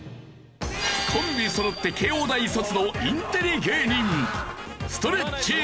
コンビそろって慶應大卒のインテリ芸人ストレッチーズ。